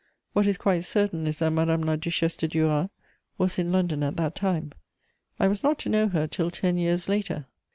What is quite certain is that Madame la Duchesse de Duras was in London at that time: I was not to know her till ten years later.